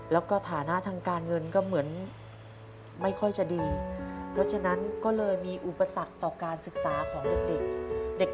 แล้วก็ฐานะทางการเงินก็เหมือนไม่ค่อยจะดีเพราะฉะนั้นก็เลยมีอุปสรรคต่อการศึกษาของเด็ก